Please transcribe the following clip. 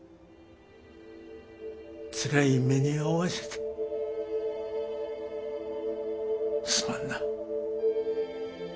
つらい目にあわしてすまんな。